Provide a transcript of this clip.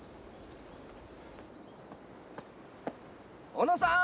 ・小野さん